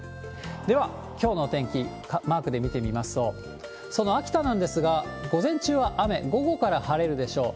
では、きょうのお天気、マークで見てみますと、その秋田なんですが、午前中は雨、午後から晴れるでしょう。